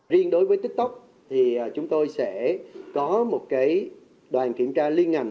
riêng đối với tiktok thì chúng tôi sẽ có một đoàn kiểm tra liên ngành